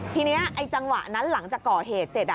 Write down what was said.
ทีนี้ไอ้จังหวะนั้นหลังจากก่อเหตุเสร็จ